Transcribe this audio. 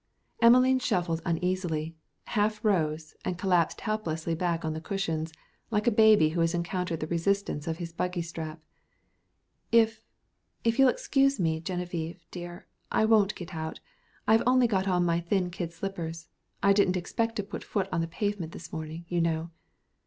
Emelene shuffled uneasily, half rose, and collapsed helplessly back on the cushions, like a baby who has encountered the resistance of his buggy strap. "I if you'll excuse me, Geneviève, dear, I won't get out. I've only got on my thin kid slippers. I didn't expect to put foot on the pavement this morning, you know."